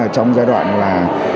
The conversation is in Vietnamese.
trong giai đoạn là